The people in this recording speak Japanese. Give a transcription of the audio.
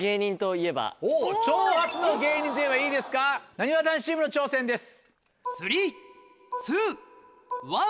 いいですかなにわ男子チームの挑戦です。